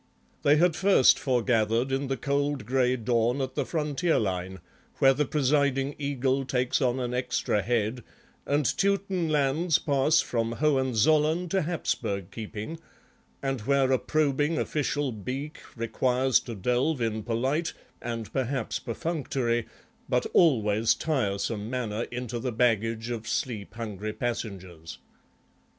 They had first foregathered in the cold grey dawn at the frontier line, where the presiding eagle takes on an extra head and Teuton lands pass from Hohenzollern to Habsburg keeping—and where a probing official beak requires to delve in polite and perhaps perfunctory, but always tiresome, manner into the baggage of sleep hungry passengers.